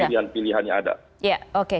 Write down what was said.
jadi itulah pilihan pilihan yang ada